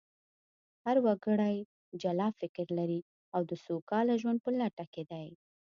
هر وګړی جلا فکر لري او د سوکاله ژوند په لټه کې دی